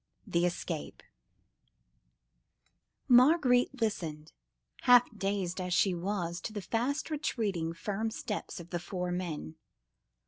THE ESCAPE Marguerite listened—half dazed as she was—to the fast retreating, firm footsteps of the four men.